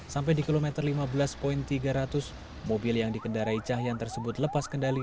sampai di kilometer lima belas tiga ratus mobil yang dikendarai cahya tersebut lepas kendali